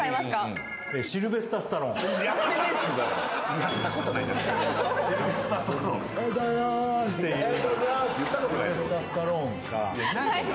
やったことないんだよ。